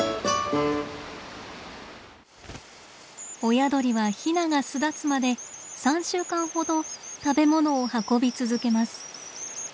親鳥はヒナが巣立つまで３週間ほど食べ物を運び続けます。